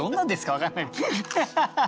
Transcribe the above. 分かんない。